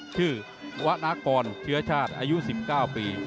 ชื่อว่านากรเชื้อชาติอายุ๑๙ปี